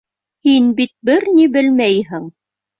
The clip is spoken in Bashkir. Һин бит бер ни белмәйһең!